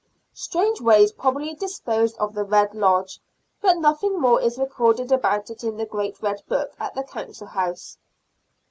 Strangeways probably disposed of the Red Lodge, but nothing more is recorded about it in the Great Red Book at the Council House.